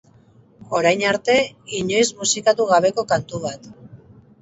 Orain arte inoiz musikatu gabeko kantu bat.